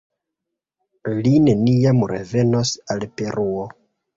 Li neniam revenos al Peruo.